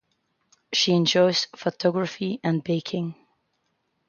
She enjoys photography and baking.